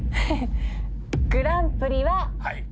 グランプリは。